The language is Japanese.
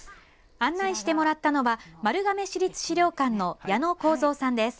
案内してもらったのは丸亀市立資料館の矢野浩三さんです。